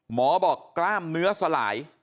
หมอบอกกล้ามเนื้อสลาย